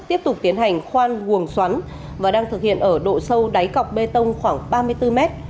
tiếp tục tiến hành khoan ruồng xoắn và đang thực hiện ở độ sâu đáy cọc bê tông khoảng ba mươi bốn mét